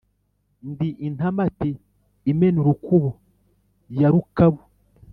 Ndi intamati imena urukubo ya Rukabu